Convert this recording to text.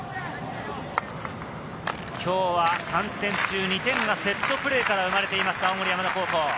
今日は３点中２点がセットプレーから生まれています、青森山田高校。